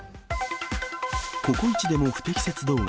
ココイチでも不適切動画。